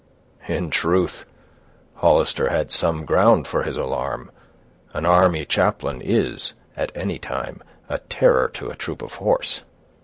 "In truth, Hollister had some ground for his alarm; an army chaplain is, at any time, a terror to a troop of horse."